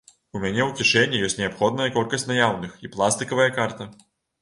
У мяне у кішэні ёсць неабходная колькасць наяўных і пластыкавая карта.